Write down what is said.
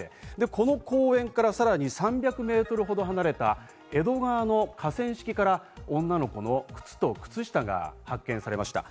この公園からさらに３００メートル離れた江戸川の河川敷から女の子の靴と靴下が発見されました。